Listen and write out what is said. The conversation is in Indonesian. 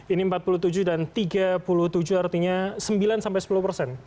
ini empat puluh tujuh dan tiga puluh tujuh artinya sembilan sampai sepuluh persen